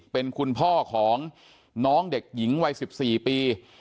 เป็นคุณพ่อของน้องเด็กหญิงวัย๑๔ปี